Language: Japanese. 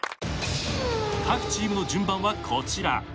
［各チームの順番はこちら］